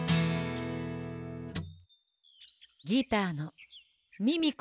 ギターのミミコよ！